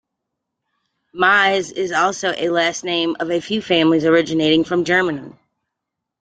Meise is also a last name of a few families originating from Germany.